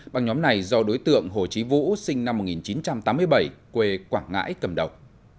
băng nhóm này do đối tượng hồ chí vũ sinh năm một nghìn chín trăm tám mươi bảy quê quảng ngãi cầm đầu